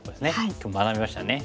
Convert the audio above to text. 今日学びましたね。